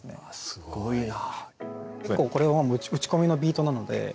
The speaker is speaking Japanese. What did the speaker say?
すごいな。